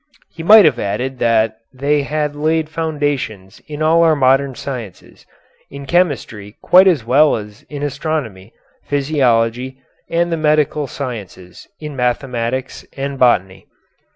He might have added that they had laid foundations in all our modern sciences, in chemistry quite as well as in astronomy, physiology, and the medical sciences, in mathematics and botany.